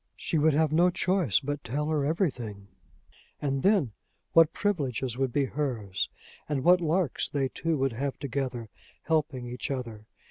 She would have no choice but tell her everything and then what privileges would be hers! and what larks they two would have together, helping each other!